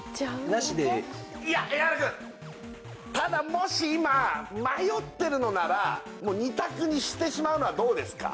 もし今迷ってるのなら２択にしてしまうのはどうですか？